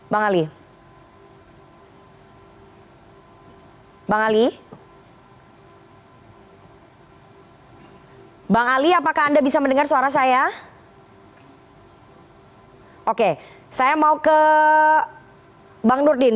bang ali bang ali apakah anda bisa mendengar suara saya oke saya mau ke bang nurdin